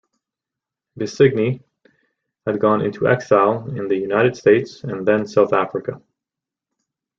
Besigye had gone into exile in the United States and then South Africa.